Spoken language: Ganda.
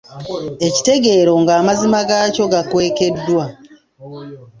Ekitegeero ng'amazima gaakyo gakwekeddwa.